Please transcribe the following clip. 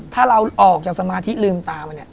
ถ้าเราออกจากสมาธิลืมตามา